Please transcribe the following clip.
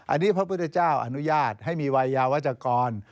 อันนี้พระพุทธเจ้าอนุญาตให้มีวัยยาวัชกร